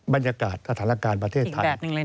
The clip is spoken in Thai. บรรยากาศสถานการณ์ประเทศไทย